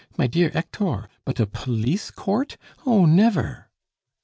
my dear Hector but a police court? Oh! never."